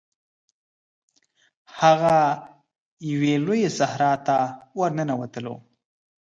هغه یوې لويي صحرا ته ورننوتلو.